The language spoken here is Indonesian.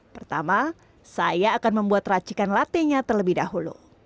pertama saya akan membuat racikan latte nya terlebih dahulu